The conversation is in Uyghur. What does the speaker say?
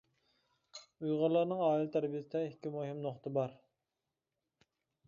ئۇيغۇرلارنىڭ ئائىلە تەربىيەسىدە ئىككى مۇھىم نۇقتا بار.